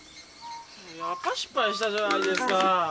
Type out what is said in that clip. やっぱ失敗したじゃないですか。